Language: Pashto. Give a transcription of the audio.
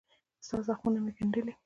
ستا زخمونه مې ګنډلي